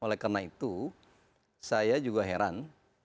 oleh karena itu saya juga heran